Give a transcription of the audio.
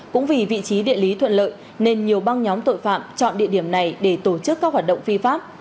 khi địa lý thuận lợi nên nhiều băng nhóm tội phạm chọn địa điểm này để tổ chức các hoạt động phi pháp